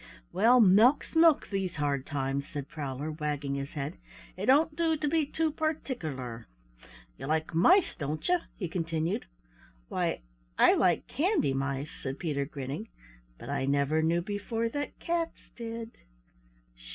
"Well, milk's milk these hard times," said Prowler, wagging his head. "It don't do to be too particerler. You like mice, don't you?" he continued. "Why, I like candy mice," said Peter grinning, "but I never knew before that cats did!"